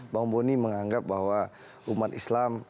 bang boni menganggap bahwa umat islam